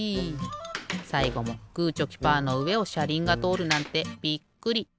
さいごもグーチョキパーのうえをしゃりんがとおるなんてびっくり。